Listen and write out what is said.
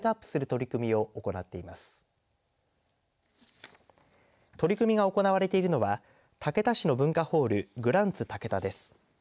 取り組みが行われているのは竹田市の文化ホールグランツたけたです。